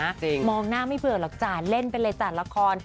จริงมองหน้าไม่เบื่อหรอกจ้ะเล่นไปเลยจ้ะละคร